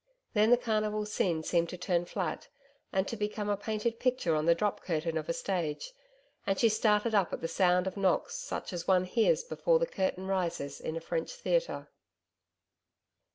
Then the carnival scene seemed to turn flat, and to become a painted picture on the drop curtain of a stage, and she started up at the sound of knocks such as one hears before the curtain rises in a French theatre.